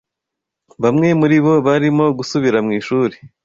Bamwe muribo barimo gusubira mw’ishuri